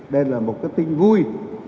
đây là một cái tin vui